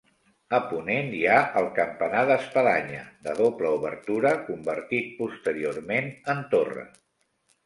A ponent hi ha el campanar d'espadanya de doble obertura, convertit posteriorment en torre.